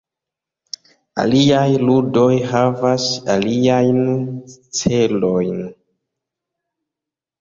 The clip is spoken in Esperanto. Aliaj ludoj havas aliajn celojn.